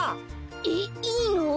えっいいの？